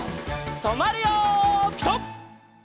とまるよピタ！